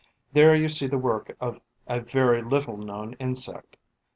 There you see the work of a very little known insect.